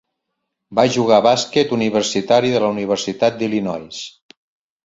Va jugar bàsquet universitari de la Universitat d'Illinois.